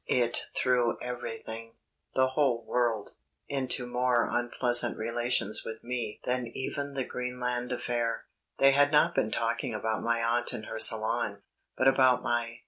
It threw everything the whole world into more unpleasant relations with me than even the Greenland affair. They had not been talking about my aunt and her Salon, but about my